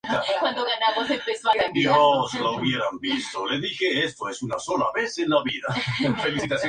Se lanzaron tres Almaz-T, dos de los cuales funcionaron correctamente.